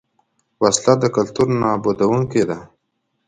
وسله د کلتور نابودوونکې ده